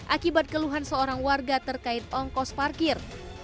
akibat keluhan seorang warga terkait ongkos parkir